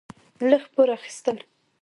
لږ پور اخيستل: